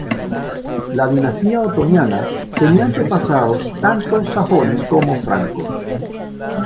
La dinastía otoniana tenía antepasados tanto sajones como francos.